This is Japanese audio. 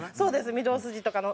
御堂筋とかの。